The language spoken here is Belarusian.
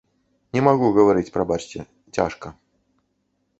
Не магу гаварыць, прабачце, цяжка.